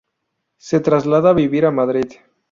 Se traslada a vivir a Madrid.